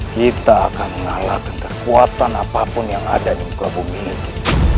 kita akan mengalahkan kekuatan apapun yang ada di muka bumi ini